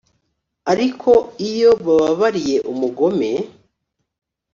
Ariko iyo bababariye umugome,